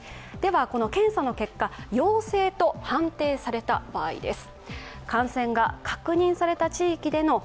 検査の結果、陽性と判定された場合です。